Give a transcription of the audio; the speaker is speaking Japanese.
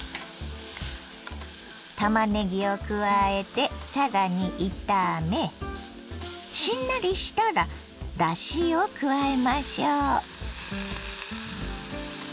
たまねぎを加えてさらに炒めしんなりしたらだしを加えましょう。